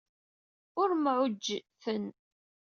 Ur mɛujjten.